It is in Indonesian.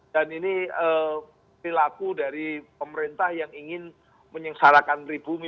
dan ini perilaku dari pemerintah yang ingin menyengsarakan pribumi